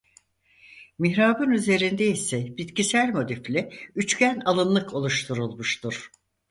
Mihrabın üzerinde ise bitkisel motifli üçgen alınlık oluşturulmuştur.